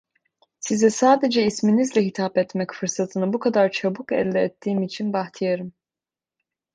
Size sadece isminizle hitap etmek fırsatını bu kadar çabuk elde ettiğim için bahtiyarım!